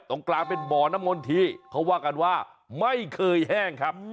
ตรงกลางเป็นบ่อน้ำมนทีเขาว่ากันว่าไม่เคยแห้งครับ